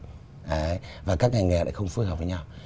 thế và các ngành nghề lại không phối hợp với nhau